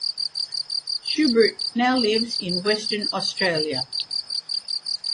Schubert now lives in Western Australia.